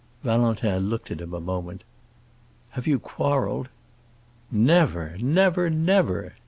Valentin looked at him a moment. "Have you quarreled?" "Never, never, never!"